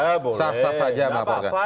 oh sah saja boleh